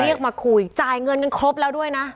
เรียกมาคุยจ่ายเงินกันครบแล้วด้วยนะ